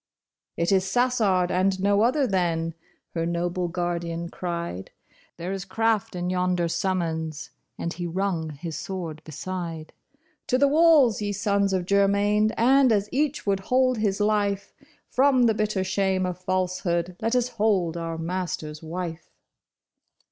" It is Sassard and no other, then," her noble guard ian cried ;" There is craft in yonder summons," and he rung his sword beside. " To the walls, ye sons of Germain ! and as each would hold his life From the bitter shame of falsehood, let us hold our master's wife."